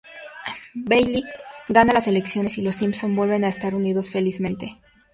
Bailey gana las elecciones y los Simpson vuelven a estar unidos felizmente.